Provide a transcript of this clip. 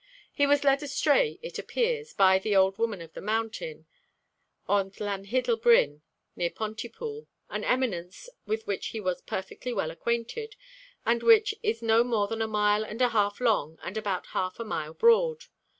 He was led astray, it appears, by the Old Woman of the Mountain, on Llanhiddel Bryn, near Pontypool an eminence with which he was perfectly well acquainted, and which 'is no more than a mile and a half long and about half a mile broad.'